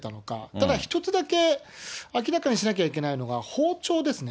ただ１つだけ明らかにしなきゃいけないのが包丁ですね。